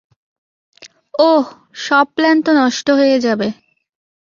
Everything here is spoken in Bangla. ওহ, সব প্ল্যান তো নষ্ট হয়ে যাবে।